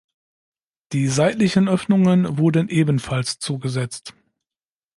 Die seitlichen Öffnungen wurden ebenfalls zugesetzt.